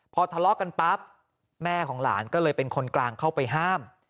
พอทะเลาะกันปั๊บแม่ของหลานก็เลยเป็นคนกลางเข้าไปห้าม